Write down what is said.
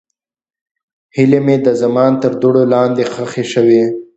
هیلې مې د زمان تر دوړو لاندې ښخې شوې.